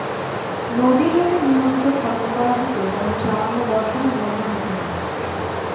নদী যদি নিয়মিত খনন করা হতো তাহলে সামান্য বর্ষণে বন্যা হতো না।